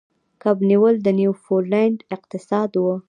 کب نیول د نیوفونډلینډ اقتصاد و.